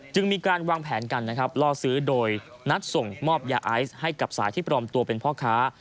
จึงมีการวางแผนกันนะครับล่อซื้อโดยนัดส่งมอบยาไอซ์ให้กับสายที่ปลอมตัวเป็นพ่อค้า